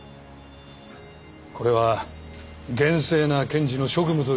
これは厳正な検事の職務と理想像を表しています。